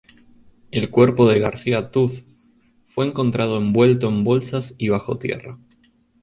El cuerpo de García Tooth fue encontrado envuelto en bolsas y bajo tierra.